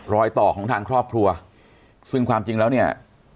รอยต่อของทางครอบครัวซึ่งความจริงแล้วเนี่ย